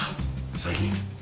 最近。